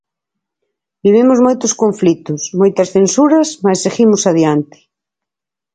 Vivimos moitos conflitos, moitas censuras mais seguimos adiante.